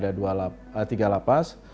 ada tiga lapas